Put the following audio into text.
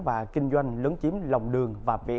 và kinh doanh lớn chiếm lồng đường và vỉa hè tại địa bàn